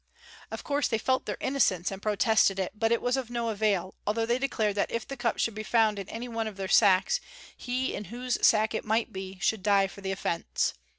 Of course they felt their innocence and protested it; but it was of no avail, although they declared that if the cup should be found in any one of their sacks, he in whose sack it might be should die for the offence.